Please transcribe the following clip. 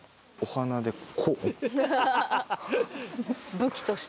武器として。